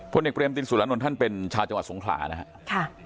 พลเอกเตรมตินสุรนทนท่านเป็นชาติจังหวัดสงขลานะครับ